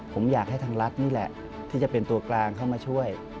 ผมอยากให้ทางรัฐนี่แหละที่จะเป็นตัวกลางเข้ามาช่วย